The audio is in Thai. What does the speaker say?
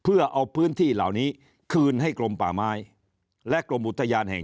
เพื่อเอาพื้นที่เหล่านี้คืนให้กรมป่าไม้และกรมอุทยานแห่ง